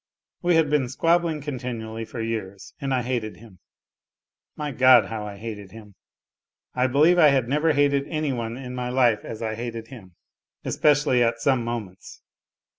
We had been squabbling continually for years, and I hated him. My God, how I hated him ! I believe I had never hated any one in my life as I hated him, especially at some moments.